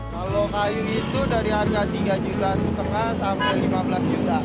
kalau kayu itu dari harga tiga juta setengah sampai lima belas juta